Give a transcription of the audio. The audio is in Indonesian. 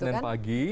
hari senin pagi